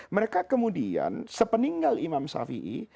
mereka kemudian sepeninggal imam shafi'i